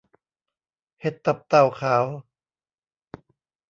เห็ดตับเต่าขาว